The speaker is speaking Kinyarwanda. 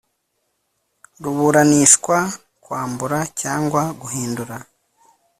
Ruburanishwa kwambura cyangwa guhindura